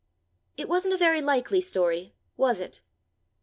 It wasn't a very likely story, was it?"